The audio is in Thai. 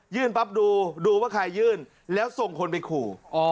ปั๊บดูดูว่าใครยื่นแล้วส่งคนไปขู่